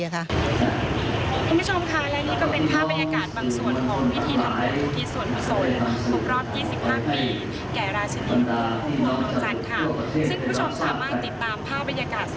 คุณผู้ชมค่ะและนี่ก็เป็นภาพบรรยากาศ